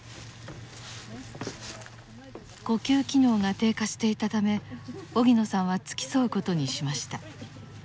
呼吸機能が低下していたため荻野さんは付き添うことにしました。